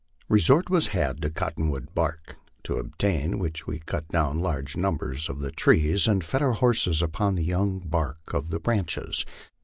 Resort was had to cottonwood bark, to obtain which we cut down large numbers of the trees, and fed our horses upon the young bark of the branches.